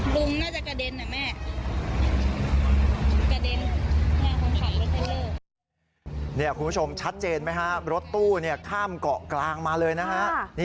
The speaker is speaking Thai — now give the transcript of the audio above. คุณผู้ชมชัดเจนไหมฮะรถตู้ข้ามเกาะกลางมาเลยนะฮะ